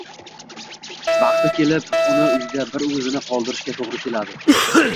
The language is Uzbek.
vaqti kelib uni uyda bir o‘zini qoldirishga to‘g‘ri keladi.